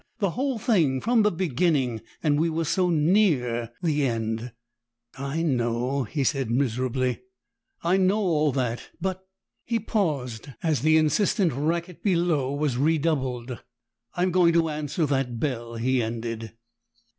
The whole thing, from the beginning and we were so near the end!" "I know," he said miserably. "I know all that, but " He paused as the insistent racket below was redoubled. "I'm going to answer that bell," he ended.